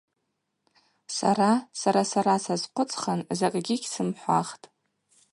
Сара сара-сара сазхъвыцхын закӏгьи гьсымхӏвахтӏ.